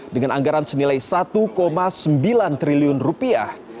dengan anggaran senilai satu sembilan triliun rupiah